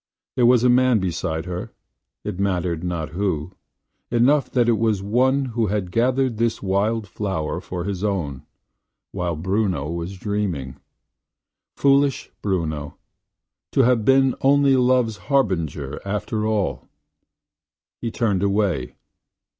There was a man beside her – it mattered not who; enough that it was one who had gathered this wild flower for his own, while Bruno was dreaming. Foolish Bruno! to have been only love's harbinger after all! He turned away.